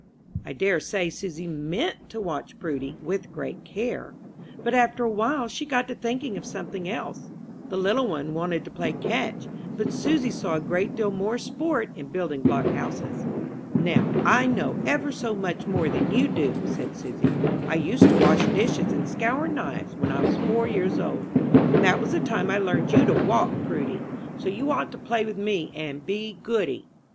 I dare say Susy meant to watch Prudy with great care, but after a while she got to thinking of something else. The little one wanted to play "catch," but Susy saw a great deal more sport in building block houses. "Now I know ever so much more than you do," said Susy. "I used to wash dishes and scour knives when I was four years old, and that was the time I learned you to walk, Prudy; so you ought to play with me, and be goody."